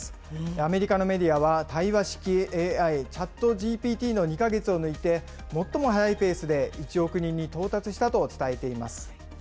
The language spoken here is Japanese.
アメリカのメディアは、対話式ＡＩ、ＣｈａｔＧＰＴの２か月を抜いて、最も速いペースで１億人に到達したと伝えています。